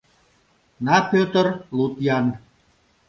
На, Пӧтыр, луд-ян...